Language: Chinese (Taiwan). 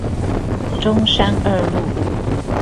中山二路